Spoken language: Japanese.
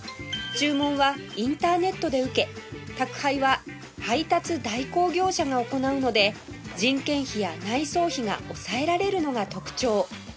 注文はインターネットで受け宅配は配達代行業者が行うので人件費や内装費が抑えられるのが特徴